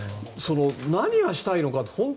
何がしたいのかと。